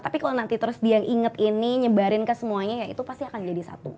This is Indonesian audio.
tapi kalau nanti terus dia inget ini nyebarin ke semuanya ya itu pasti akan jadi satu